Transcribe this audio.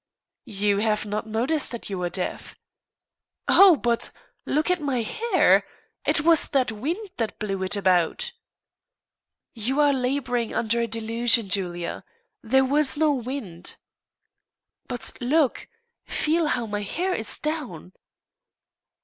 "You have not noticed that you were deaf." "Oh! but look at my hair; it was that wind that blew it about." "You are labouring under a delusion, Julia. There was no wind." "But look feel how my hair is down."